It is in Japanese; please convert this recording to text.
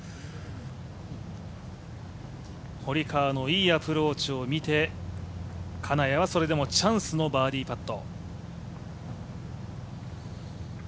堀川のいいアプローチを見て金谷はそれでもチャンスのバーディーパット。